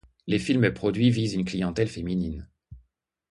Les films produits visent une clientèle féminine.